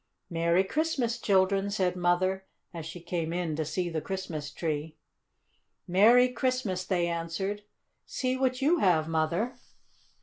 "Merry Christmas, children!" said Mother, as she came in to see the Christmas tree. "Merry Christmas!" they answered. "See what you have, Mother!"